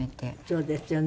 そうですよね。